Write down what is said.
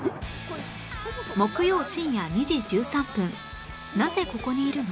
木曜深夜２時１３分『なぜここにいるの？